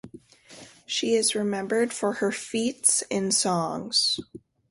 She is remembered for her feats in songs.